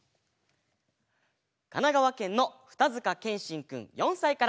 かながわけんのふたづかけんしんくん４さいから。